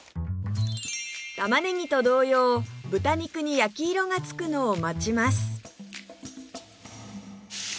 玉ねぎと同様豚肉に焼き色がつくのを待ちます